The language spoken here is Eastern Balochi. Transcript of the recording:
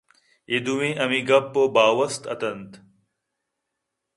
اے دوئیں ہمے گپّ ءُ باوستان اِتنت